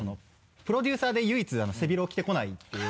プロデューサーで唯一背広を着て来ないっていう。